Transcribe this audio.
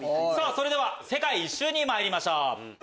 それでは世界一周にまいりましょう。